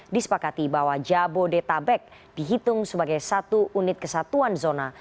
disepakati bahwa jabodetabek dihitung sebagai satu unit kesatuan zona